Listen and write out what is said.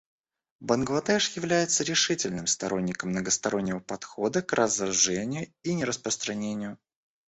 Бангладеш является решительным сторонником многостороннего подхода к разоружению и нераспространению.